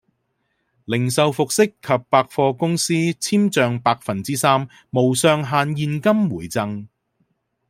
零售服飾及百貨公司簽賬百分之三無上限現金回贈